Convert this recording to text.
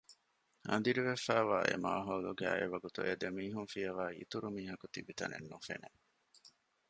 އަނދިރިވެފައިވާ އެ މާހައުލުގައި އެވަގުތު އެދެމީހުން ފިޔަވާ އިތުރު މީހަކު ތިބިތަނެއް ނުފެނެ